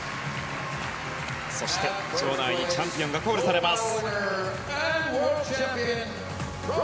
そして、場内にチャンピオンがコールされます。